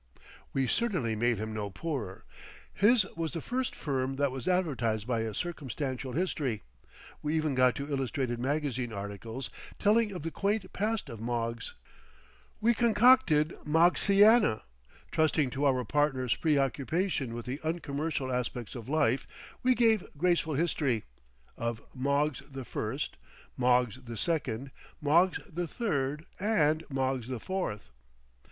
We certainly made him no poorer. His was the first firm that was advertised by a circumstantial history; we even got to illustrated magazine articles telling of the quaint past of Moggs. We concocted Moggsiana. Trusting to our partner's preoccupation with the uncommercial aspects of life, we gave graceful history—of Moggs the First, Moggs the Second, Moggs the Third, and Moggs the Fourth.